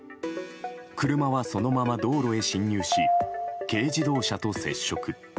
車は、そのまま道路へ進入し軽自動車と接触。